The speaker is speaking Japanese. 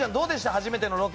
初めてのロケ。